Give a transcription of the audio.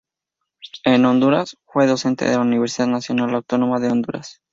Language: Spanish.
En Honduras, fue docente de la Universidad Nacional Autónoma de Honduras.